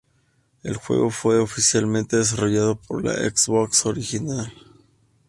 El juego fue inicialmente desarrollado para la Xbox original.